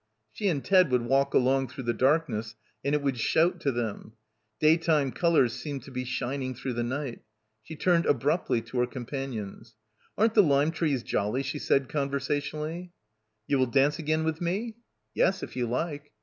She and Ted would walk along through the darkness and it would shout to them. Day time colours seemed to be shining through the night. ... She turned abruptly to her companion. "Aren't the lime trees jolly?" she said con versationally. "You will dance again with me?" "Yes, if you like."